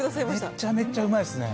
めっちゃめちゃうまいですね。